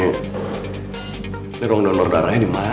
ini ruang donor darahnya dimana